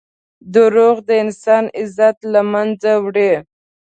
دروغ د انسان عزت له منځه وړي.